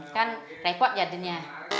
kan repot jadinya